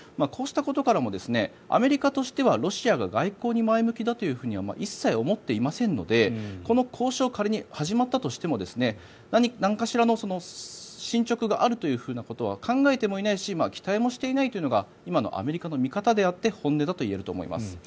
こうしたことからアメリカとしてはロシアが外交に前向きだとは一切思っていませんのでこの交渉が仮に始まったとしても何かしらの進ちょくがあることは考えてもいないし期待もしていないというのが今のアメリカの見方であって本音といえると思います。